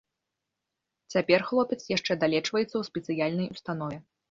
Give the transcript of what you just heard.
Цяпер хлопец яшчэ далечваецца ў спецыяльнай установе.